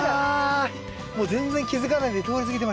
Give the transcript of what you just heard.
もう全然気付かないで通り過ぎてましたよ。